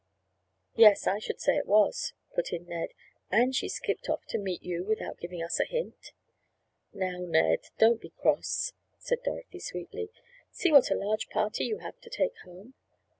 "Yes, I should say it was," put in Ned, "and she skipped off to meet you without giving us a hint—" "Now, Ned, don't be cross," said Dorothy sweetly. "See what a large party you have to take home.